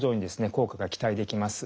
効果が期待できます。